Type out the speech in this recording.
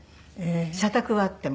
社宅はあっても。